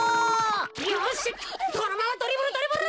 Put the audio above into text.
よしこのままドリブルドリブル！